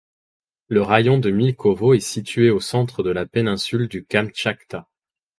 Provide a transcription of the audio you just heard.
Le raïon de Milkovo est située au centre de la péninsule du Kamtchatka.